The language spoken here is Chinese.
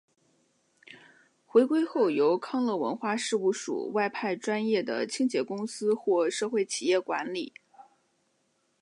回归后由康乐文化事务署外判专业的清洁公司或社会企业管理。